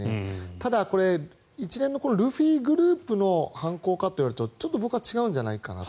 ただ、一連のルフィグループの犯行かというとちょっと僕は違うんじゃないかなと。